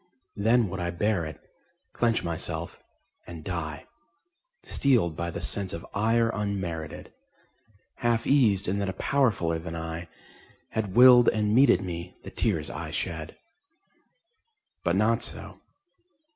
Then would I bear it, clench myself, and die, Steeled by the sense of ire unmerited; Half eased in that a Powerfuller than I Had willed and meted me the tears I shed. But not so.